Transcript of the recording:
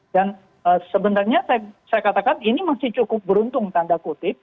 dan sebenarnya saya katakan ini masih cukup beruntung tanda kutip